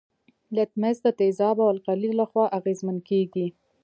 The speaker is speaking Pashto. لتمس د تیزاب او القلي له خوا اغیزمن کیږي.